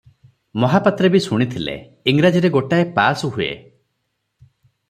ମହାପାତ୍ରେ ବି ଶୁଣିଥିଲେ, ଇଂରାଜୀରେ ଗୋଟାଏ ପାସ ହୁଏ ।